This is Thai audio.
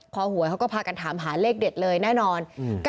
หวยเขาก็พากันถามหาเลขเด็ดเลยแน่นอน